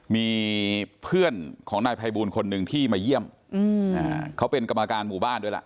มีเพื่อนของนายภัยบูลคนหนึ่งที่มาเยี่ยมเขาเป็นกรรมการหมู่บ้านด้วยล่ะ